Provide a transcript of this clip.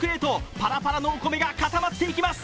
パラパラのお米がかたまっていきます。